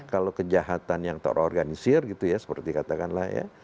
kalau kejahatan yang terorganisir gitu ya seperti katakanlah ya